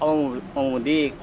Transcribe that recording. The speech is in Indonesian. oh mau mudik